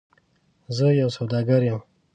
زه یو سوداګر یم .